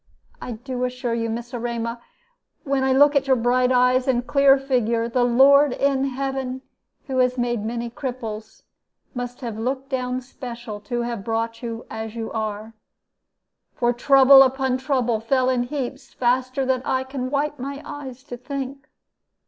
I do assure you, Miss Erema, when I look at your bright eyes and clear figure, the Lord in heaven, who has made many cripples, must have looked down special to have brought you as you are. For trouble upon trouble fell in heaps, faster than I can wipe my eyes to think.